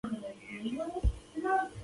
آیا تیل او ډوډۍ ارزانه نه دي؟